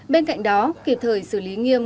bên cạnh đó kịp thời xử lý nghiêm